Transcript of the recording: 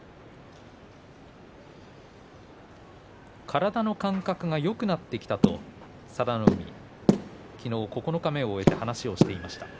体の感覚がよくなってきたと佐田の海、昨日九日目を終えて話をしていました。